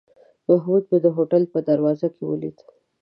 محمود مې د هوټل په دروازه کې ولید.